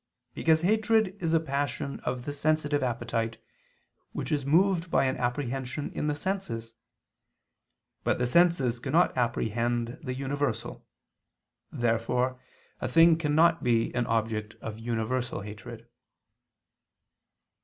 Because hatred is a passion of the sensitive appetite, which is moved by an apprehension in the senses. But the senses cannot apprehend the universal. Therefore a thing cannot be an object of universal hatred.